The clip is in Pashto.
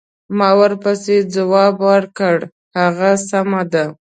ما ورپسې ځواب ورکړ: هغه سمه ده.